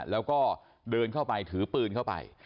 แล้วก็เดินเข้าไปถือปืนเข้าไป